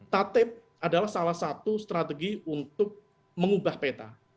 tatib adalah salah satu strategi untuk mengubah peta